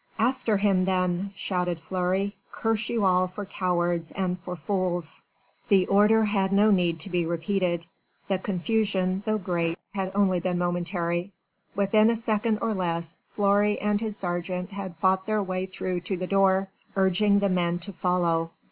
"After him then!" shouted Fleury. "Curse you all for cowards and for fools." The order had no need to be repeated. The confusion, though great, had only been momentary. Within a second or less, Fleury and his sergeant had fought their way through to the door, urging the men to follow.